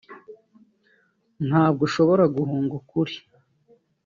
ntabwo ushobora guhunga ukuri”